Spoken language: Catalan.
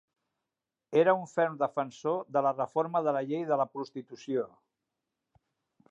Era un ferm defensor de la reforma de la llei de la prostitució.